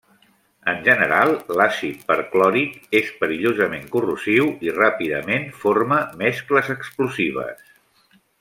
En general l'àcid perclòric és perillosament corrosiu i ràpidament forma mescles explosives.